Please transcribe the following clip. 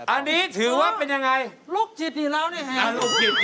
อันนี้ถือว่าเป็นอย่างไรลูกจิตดีแล้วเนี่ยแห่ง